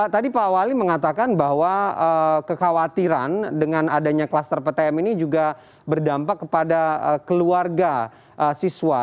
tadi pak wali mengatakan bahwa kekhawatiran dengan adanya kluster ptm ini juga berdampak kepada keluarga siswa